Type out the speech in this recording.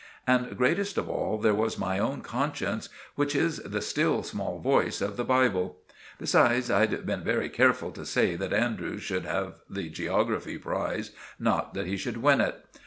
And, greatest of all, there was my own conscience, which is the 'still small voice' of the Bible. Besides, I'd been very careful to say that Andrews should have the geography prize, not that he should win it.